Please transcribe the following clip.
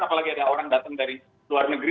apalagi ada orang datang dari luar negeri